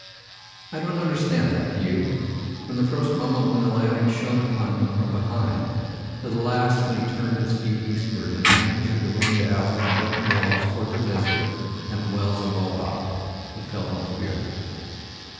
I don't understand that, do you? From the first moment when the lantern shone upon him from behind, to the last when he turned his feet eastward, and ran through the ruined alleys and broken walls toward the desert and the Wells of Obak, he felt no fear."